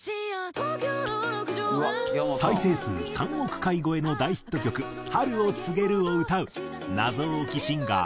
再生数３億回超えの大ヒット曲『春を告げる』を歌う謎多きシンガー